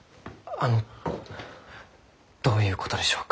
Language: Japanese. あのどういうことでしょうか？